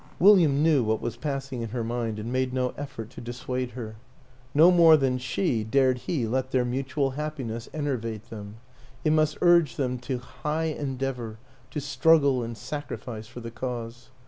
William knew what was passing in her mind and made no effort to dissuade her. No more than she dared he let their mutual happiness en ervate them it must urge them to high en deavor, to struggle and sacrifice for the Cause.